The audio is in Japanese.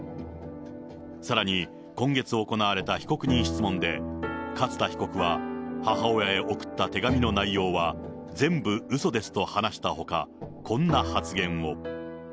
さらに、今月行われた被告人質問で、勝田被告は、母親へ送った手紙の内容は、全部うそですと話したほか、こんな発言も。